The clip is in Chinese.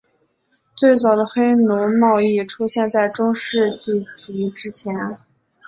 最早的黑奴贸易出现在中世纪及之前。